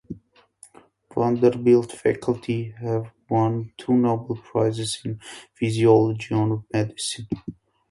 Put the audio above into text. Vanderbilt faculty have won two Nobel Prizes in Physiology or Medicine.